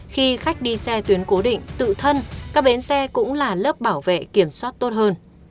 khi khách đi xe tuyến cố định tự thân các bến xe cũng là lớp bảo vệ kiểm soát tốt hơn